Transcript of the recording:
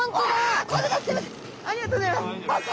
ありがとうございます。